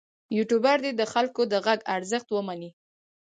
یوټوبر دې د خلکو د غږ ارزښت ومني.